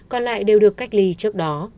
còn lại đều được cách ly trước đó